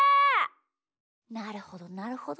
なるほどなるほど。